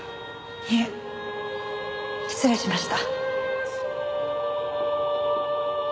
いえ失礼しました。